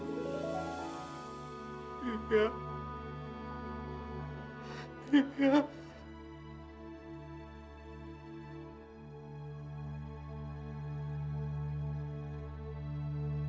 kamu itu apa kalau sudah sih